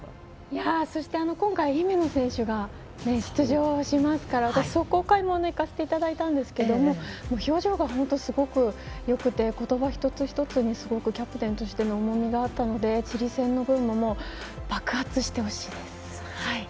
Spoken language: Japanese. そして今回姫野選手が出場しますから私、壮行会にも行かせていただいたんですが表情がすごくよくて言葉一つ一つにキャプテンとしての重みがあったのでチリ戦での思いも爆発してほしいです。